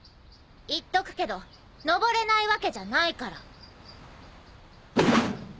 言っとくけど登れないわけじゃないから。